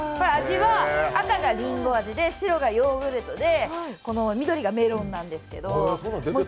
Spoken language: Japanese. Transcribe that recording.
味は赤がりんご味で、白がヨーグルトで緑がメロンなんですけど。